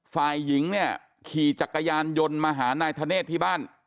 ฝ่ายหญิงเนี่ยขี่จักรยานยนต์มาหานายธเนธที่บ้าน